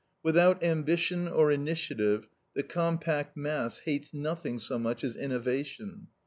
Without ambition or initiative, the compact mass hates nothing so much as innovation.